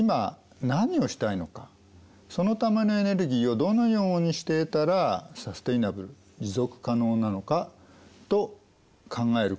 そのためのエネルギーをどのようにして得たらサステイナブル持続可能なのかと考えることが大切ですね。